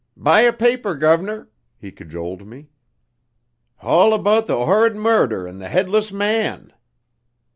"Buy a paper, guv nor!" he cajoled me. "Hall abeout the 'orrid murder and the 'eadless man."